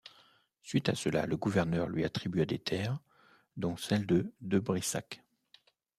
Suite à cela, le gouverneur lui attribua des terres, dont celles de De Brissac.